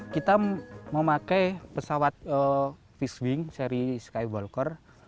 kita memakai pesawat fish wing seri skywalker